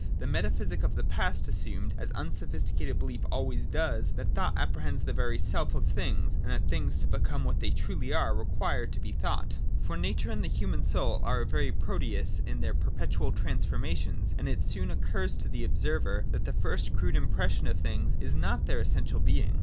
The Metaphysic of the past assumed, as unsophisticated belief always does, that thought apprehends the very self of 62 FIRST ATTITUDE TO OBJECTIVITY. [28. things, and that things, to become what they truly are, re quire to be thought. For Nature and the human soul are a very Proteus in their perpetual transformations ; and it soon occurs to the observer that the first crude impression of things is not their essential being.